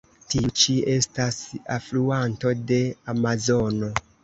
Tiu ĉi estas alfluanto de Amazono.